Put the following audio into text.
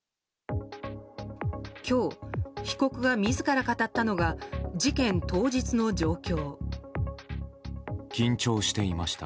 今日、被告が自ら語ったのが事件当日の状況。